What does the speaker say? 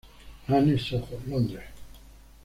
Anne, Soho, Londres.